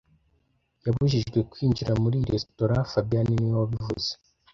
Yabujijwe kwinjira muri iyi resitora fabien niwe wabivuze